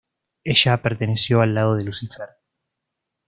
Ella perteneció al lado de Lucifer.